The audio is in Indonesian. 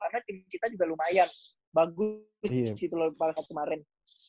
karena tim kita juga lumayan bagus disitu loh kemarin